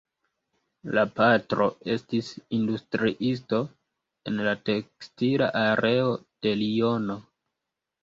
La patro estis industriisto en la tekstila areo de Liono.